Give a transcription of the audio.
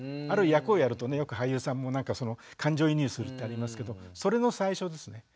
ある役をやるとねよく俳優さんも感情移入するってありますけどそれの最初ですね。